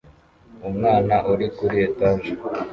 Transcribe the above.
Umwana uri kuri etaje